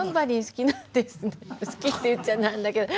好きって言っちゃなんだけど。